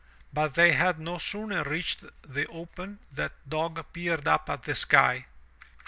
But they had no sooner reached the open than Dock peered up at the sky.